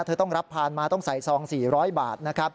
เธอต้องรับพารมาต้องใส่ซอง๔๐๐บาท